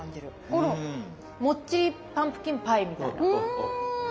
このもっちりパンプキンパイみたいな。